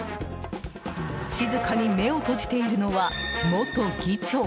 静かに目を閉じているのは元議長。